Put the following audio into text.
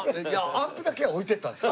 アンプだけは置いてったんですよ。